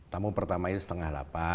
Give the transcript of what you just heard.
tamu pertama itu setengah delapan